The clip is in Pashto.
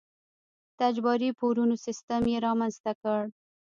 د اجباري پورونو سیستم یې رامنځته کړ.